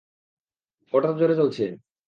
ওটা তো জোরে চলছে।